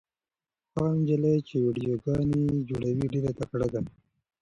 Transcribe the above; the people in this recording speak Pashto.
هغه نجلۍ چې ویډیوګانې جوړوي ډېره تکړه ده.